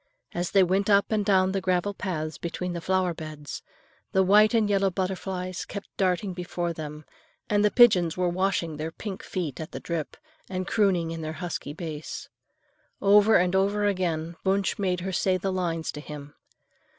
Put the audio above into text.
As they went up and down the gravel paths between the flowerbeds, the white and yellow butterflies kept darting before them, and the pigeons were washing their pink feet at the drip and crooning in their husky bass. Over and over again Wunsch made her say the lines to him.